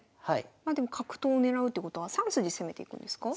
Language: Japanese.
まあでも角頭を狙うってことは３筋攻めていくんですか？